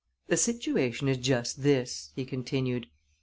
The situation is just this," he continued.